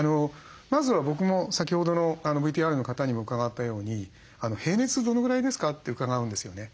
まずは僕も先ほどのＶＴＲの方にも伺ったように「平熱どのぐらいですか？」って伺うんですよね。